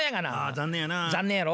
残念やろ？